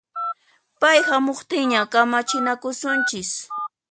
Pay hamuqtinña kamachinakusunchis